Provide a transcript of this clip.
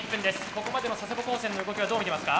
ここまでの佐世保高専の動きはどう見てますか？